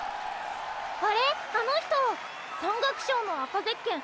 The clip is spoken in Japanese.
あれあの人山岳賞の赤ゼッケン